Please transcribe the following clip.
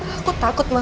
aku takut mah